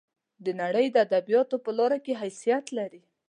د نړۍ د ادبیاتو په لار کې حیثیت لري.